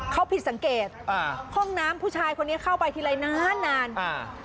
เขาผิดสังเกตอ่าห้องน้ำผู้ชายคนนี้เข้าไปทีไรนานนานอ่า